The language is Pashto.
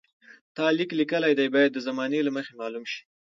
تا لیک لیکلی دی باید د زمانې له مخې معلوم شي.